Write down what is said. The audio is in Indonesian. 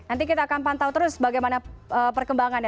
nanti kita akan pantau terus bagaimana perkembangannya